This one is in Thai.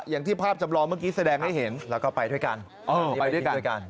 อย่างที่ภาพจำลองเมื่อกี้แสดงให้เห็นแล้วก็ไปด้วยกันไปด้วยกัน